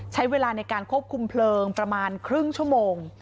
ใช้เวลาในการควบคุมเพลิงประมาณครึ่งชั่วโมง